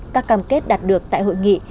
các cam kết đạt được tại hội nghị